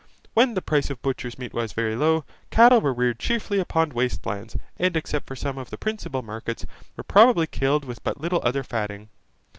When the price of butchers' meat was very low, cattle were reared chiefly upon waste lands; and except for some of the principal markets, were probably killed with but little other fatting.